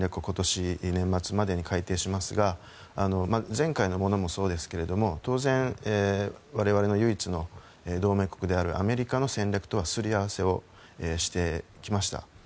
今年年末までに改定しますが前回のものもそうですけれども当然、我々の唯一の同盟国であるアメリカの戦略とはすり合わせをしてきました。